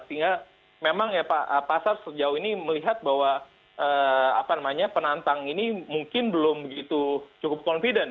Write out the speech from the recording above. sehingga memang pasar sejauh ini melihat bahwa penantang ini mungkin belum cukup confident